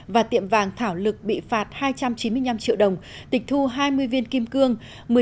và tiệm vàng thảo lực bị phạt hai trăm chín mươi năm triệu đồng tịch thu hai mươi viên kim cương